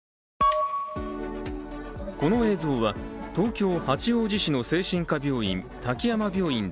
この映像は東京・八王子市の精神科病院、滝山病院で